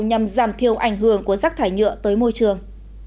nhằm giảm thiêu ảnh hưởng của rác thải nhựa tới môi trường